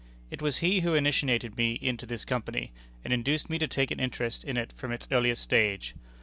It was he who initiated me into this Company, and induced me to take an interest in it from its earliest stage.